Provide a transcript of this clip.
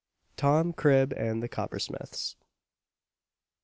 TOM CRIB AND THE COPPERSMITHS.